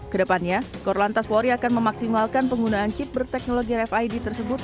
kedepannya korlantas polri akan memaksimalkan penggunaan chip berteknologi rfid tersebut